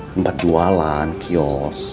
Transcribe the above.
tempat jualan kios